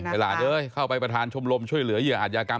ไอ้หลานเฮ้ยเข้าไปประธานชมรมช่วยเหลือเยี่ยงอัตยากรรม